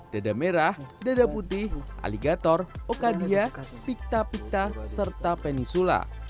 dada merah dada putih aligator okadia pita pita serta penisula